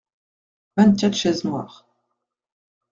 Vingt-quatre chaises noires.